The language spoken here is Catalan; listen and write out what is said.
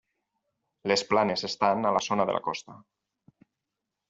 Les planes estan a la zona de la costa.